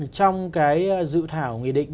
trong cái dự thảo nghị định